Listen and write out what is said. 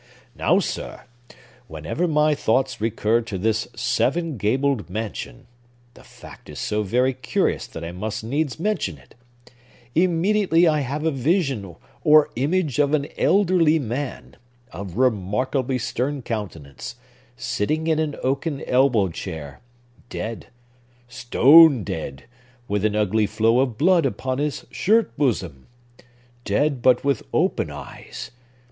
Now, sir, whenever my thoughts recur to this seven gabled mansion (the fact is so very curious that I must needs mention it), immediately I have a vision or image of an elderly man, of remarkably stern countenance, sitting in an oaken elbow chair, dead, stone dead, with an ugly flow of blood upon his shirt bosom! Dead, but with open eyes!